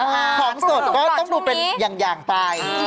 ของสดก็ต้องดูเป็นอย่างไป